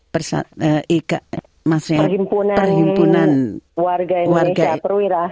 perhimpunan warga indonesia perwira